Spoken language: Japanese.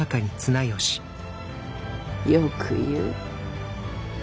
よく言う。